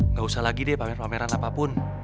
nggak usah lagi deh pamer pameran apapun